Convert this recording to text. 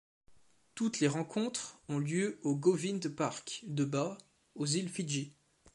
Toutes les rencontres ont lieu au Govind Park, de Ba, aux Îles Fidji.